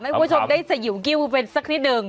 ให้คุณผู้ชมได้สยิวกิ้วเป็นสักนิดหนึ่ง